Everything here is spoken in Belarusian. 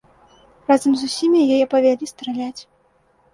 Разам з усімі яе павялі страляць.